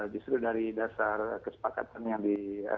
justru dari dasar kesepakatan yang di